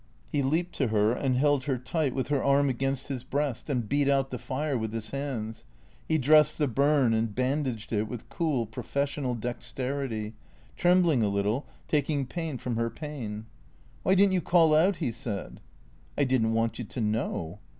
Pie leaped to her, and held her tight with her arm against his breast, and beat out the fire with his hands. He dressed the burn and bandaged it with cool, professional dexterity, trembling a little, taking pain from her pain. "^\liy didn't you call out?" he said. " I did n't want you to know."